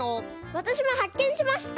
わたしもはっけんしました。